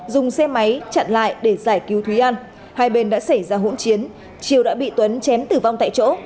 dùng xe máy chặn lại để giải cứu thúy an hai bên đã xảy ra hỗn chiến triều đã bị tuấn chém tử vong tại chỗ